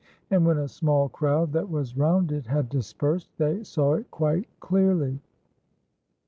And when a small crowd that was round it had dispersed, they saw it quite clearly.